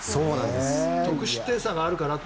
得失点差があるからと。